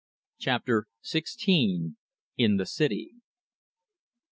CHAPTER SIXTEEN. IN THE CITY.